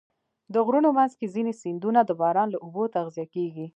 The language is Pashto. د غرونو منځ کې ځینې سیندونه د باران له اوبو تغذیه کېږي.